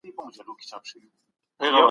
ډیپلوماسي د تفاهم او روغې جوړې هنر دی.